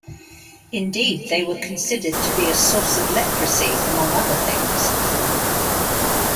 Indeed, they were considered to be a source of leprosy among other things.